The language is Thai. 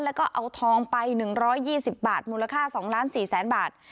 แล้วก็เอาทองไปหนึ่งร้อยยี่สิบบาทมูลค่าสองล้านสี่แสนบาท